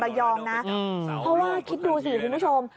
แหลยองนะคาว่าคิดดูสิคุณผู้ชม